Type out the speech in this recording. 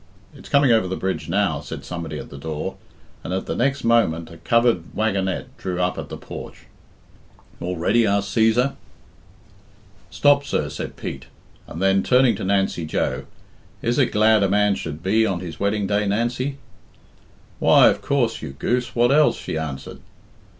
"It's coming over by the bridge now," said somebody at the door, and at the next moment a covered wagonette drew up at the porch. "All ready?" asked Cæsar. "Stop, sir," said Pete, and then, turning to Nancy Joe, "Is it glad a man should be on his wedding day, Nancy?" "Why, of coorse, you goose. What else?" she answered.